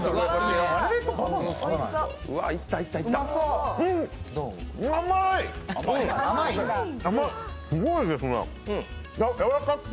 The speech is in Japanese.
うわ、いったいった。